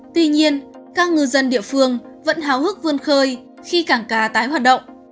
tuy nhiên các ngư dân địa phương vẫn háo hức vươn khơi khi cảng cá tái hoạt động